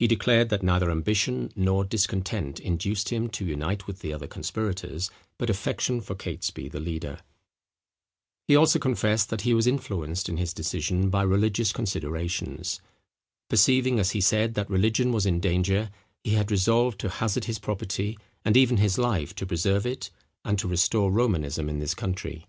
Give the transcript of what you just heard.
He declared that neither ambition nor discontent induced him to unite with the other conspirators, but affection for Catesby the leader. He also confessed that he was influenced in his decision by religious considerations. Perceiving, as he said, that religion was in danger, he had resolved to hazard his property, and even his life, to preserve it, and to restore Romanism in this country.